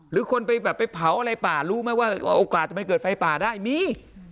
หรือคนไปแบบไปเผาอะไรป่ารู้ไหมว่าโอกาสจะไปเกิดไฟป่าได้มี